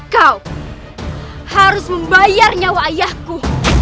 kau harus membayar nyawa ayahku